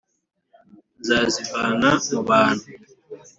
Nzazivana mu bantu